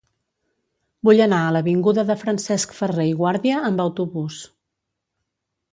Vull anar a l'avinguda de Francesc Ferrer i Guàrdia amb autobús.